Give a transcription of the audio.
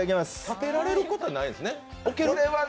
立てられることはないんですね？